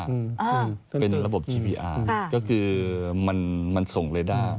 ได้ใช้ไหมมีไหมมีไหม